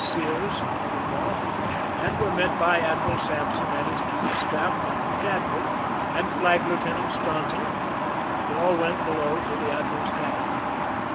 Sears, came off, and were met by Admiral Sampson and his chief of staff, Cap tain Chadwicik, and Flag Lieutenant Staunton, and all went below to the admiral's cabin.